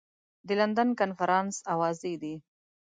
د لندن کنفرانس اوازې دي.